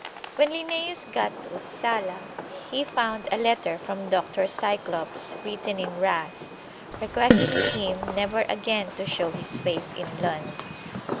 When Linnæus got to Upsala he found a letter from Doctor Cyclops, written in wrath, requesting him never again to show his face in Lund.